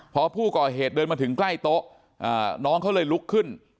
พอผู้ก่อเหตุเดินมาถึงใกล้โต๊ะน้องเขาเลยลุกขึ้น